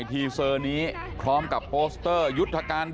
โปสเตอร์โหมโตรงของทางพักเพื่อไทยก่อนนะครับ